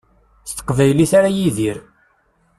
S teqbaylit ara yidir.